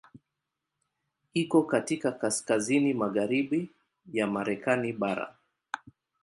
Iko katika kaskazini magharibi ya Marekani bara.